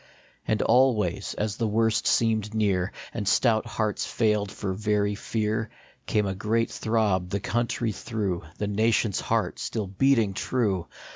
And always, as the worst seemed near, And stout hearts failed for very fear, Came a great throb the country through, The nation s heart still beating true